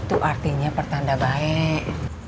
itu artinya pertanda baik